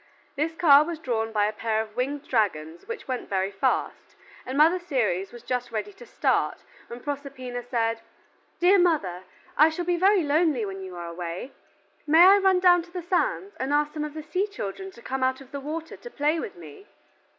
This car was drawn by a pair of winged dragons which went very fast, and Mother Ceres was just ready to start, when Proserpina said, "Dear mother, I shall be very lonely while you are away, may I run down to the sands, and ask some of the sea children to come out of the water to play with me?"